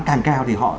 càng cao thì họ